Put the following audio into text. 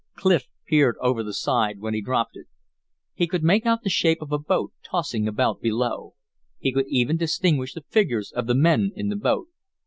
Clif peered over the side when he dropped it. He could make out the shape of the boat tossing about below; he could even distinguish the figures of the men in the boat.